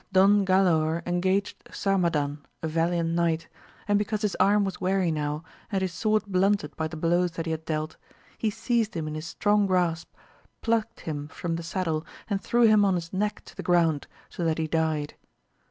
Don Galaor engaged Sarmadan a valiant knight, and because his arm was weary now, and his sword blunted by the blows that he had dealt, he seized him in his strong grasp, plucked him from the saddle, and threw him on his neck to the ground, so that he died.